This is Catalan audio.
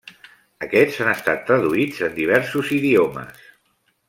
Aquests han estat traduïts en diversos idiomes.